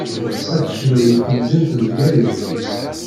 Ad tecnu di temdint n Bgayet.